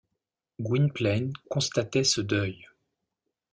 Gwynplaine constatait ce deuil.